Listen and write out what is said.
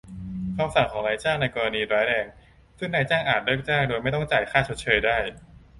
คำสั่งของนายจ้างในกรณีร้ายแรง ซึ่งนายจ้างอาจเลิกจ้างโดยไม่ต้องจ่ายค่าชดเชยได้